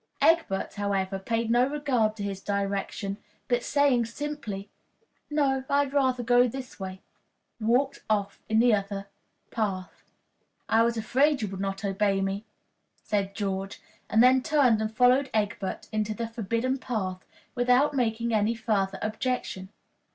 Egbert, however, paid no regard to this direction, but saying simply "No, I'd rather go this way," walked off in the other path. "I was afraid you would not obey me," said George, and then turned and followed Egbert into the forbidden path, without making any further objection.